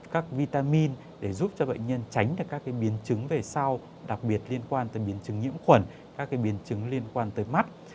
các vitamin để giúp cho bệnh nhân tránh được các biến chứng về sau đặc biệt liên quan tới biến chứng nhiễm khuẩn các biến chứng liên quan tới mắt